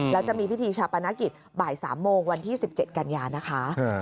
แล้วจะมีพิธีชาปนกิจบ่าย๓โมงวันที่๑๗กันยานะคะ